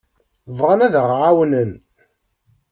Bɣan ad aɣ-ɛawnen.